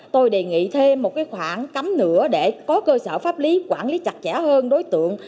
tôi đề nghị thêm một khoảng cấm nữa để có cơ sở pháp lý quản lý chặt chẽ hơn đối tượng